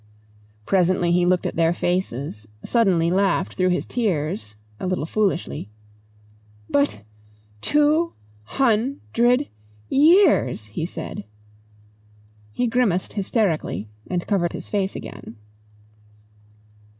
Presently he looked at their faces, suddenly laughed through his tears, a little foolishly. "But two hun dred years!" he said. He grimaced hysterically and covered his face again.